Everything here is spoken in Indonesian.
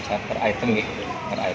di sekolah baru dikoneksi di sekolah baru